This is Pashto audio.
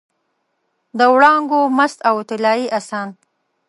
د وړانګو مست او طلايي اسان